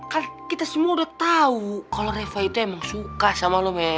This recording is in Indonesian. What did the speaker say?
kan kita semua udah tahu kalau reva itu emang suka sama leme